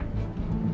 udah deh ale